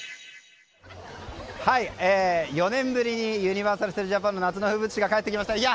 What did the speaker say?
４年ぶりにユニバーサル・スタジオ・ジャパンの夏の風物詩が帰ってきました。